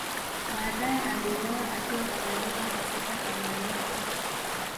Baadae aliuawa akiwa Tanganyika kwa sasa Tanzania